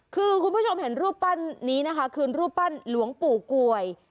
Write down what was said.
คือคุณผู้ชมเห็นรูปปั้นนี้นะคะคือรูปปั้นหลวงปู่กวย